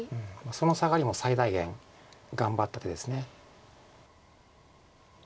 そのサガリも最大限頑張った手です。